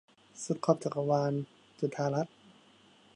สุดขอบจักรวาล - จุฑารัตน์